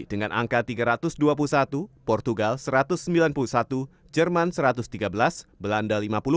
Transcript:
dengan angka tiga ratus dua puluh satu portugal satu ratus sembilan puluh satu jerman satu ratus tiga belas belanda lima puluh